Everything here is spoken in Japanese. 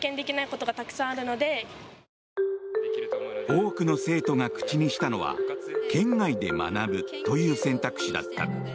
多くの生徒が口にしたのは県外で学ぶという選択肢だった。